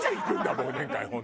忘年会本当。